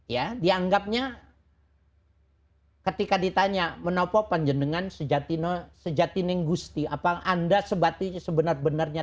ya dianggapnya ketika ditanya menopo panjenengan sejatineng gusti apa anda sebatinya sebenar benarnya